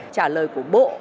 trả lời của bộ